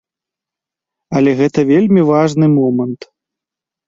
Але гэта вельмі важны момант.